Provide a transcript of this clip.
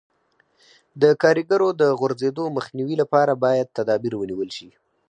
د کاریګرو د غورځېدو مخنیوي لپاره باید تدابیر ونیول شي.